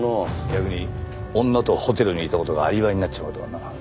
逆に女とホテルにいた事がアリバイになっちまうとはな。